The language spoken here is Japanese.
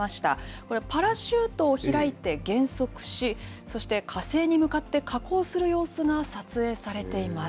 これ、パラシュートを開いて減速し、そして火星に向かって下降する様子が撮影されています。